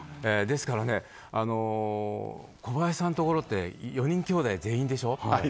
ですから、小林さんのところって４人きょうだい全員でしょ。